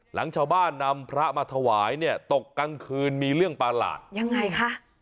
หลังชาวบ้านนำพระมาถวายเนี่ยตกกลางคืนมีเรื่องประหลาดยังไงคะ